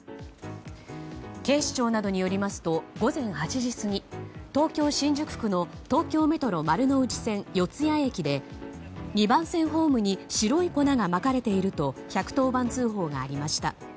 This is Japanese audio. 警視庁などによりますと午前８時過ぎ東京・新宿区の東京メトロ丸ノ内線四ツ谷駅で２番線ホームに白い粉がまかれていると１１０番通報がありました。